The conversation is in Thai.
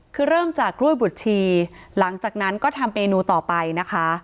คือเริ่มจากกล้วยบุชีหลังจากนั้นก็ทำเมนูต่อไปนะคะ